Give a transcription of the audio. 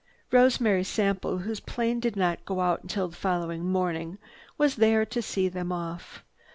Rosemary Sample, whose plane did not go out until the following morning, was there to see them off.